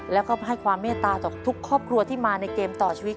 แล้วก็ให้ความเมตตาต่อทุกครอบครัวที่มาในเกมต่อชีวิต